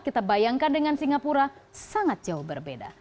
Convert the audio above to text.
kita bayangkan dengan singapura sangat jauh berbeda